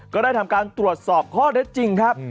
ก็ได้ทำการตรวจสอบข้อเท็จจริงครับ